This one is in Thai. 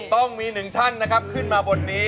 ต้องมีหนึ่งท่านนะครับขึ้นมาบนนี้